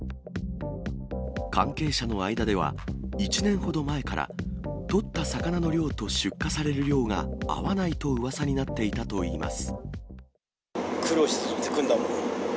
関係者の間では、１年ほど前から取った魚の量と出荷される量が合わないとうわさに苦労して取ってくるんだもんね。